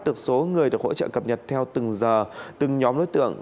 được số người được hỗ trợ cập nhật theo từng giờ từng nhóm đối tượng